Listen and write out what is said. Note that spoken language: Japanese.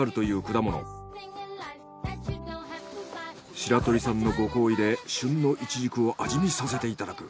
白鳥さんのご厚意で旬のイチジクを味見させていただく。